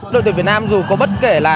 đội tuyển việt nam dù có bất kể là